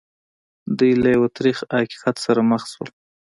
دوی له یو تریخ حقیقت سره مخ شول